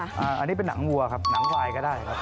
อันนี้เป็นหนังวัวครับหนังควายก็ได้ครับ